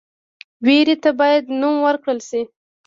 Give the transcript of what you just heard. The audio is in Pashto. ویرې ته باید نوم ورکړل شي.